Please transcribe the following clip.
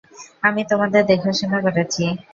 আমি তোমাদের দেখাশোনা করেছি।